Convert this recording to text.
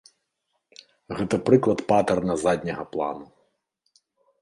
Гэта прыклад патэрна задняга плану.